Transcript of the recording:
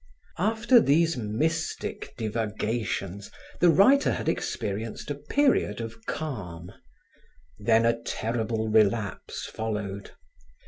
After these mystic divagations, the writer had experienced a period of calm. Then a terrible relapse followed.